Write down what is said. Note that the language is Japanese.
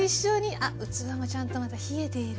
あっ器もちゃんと冷えている。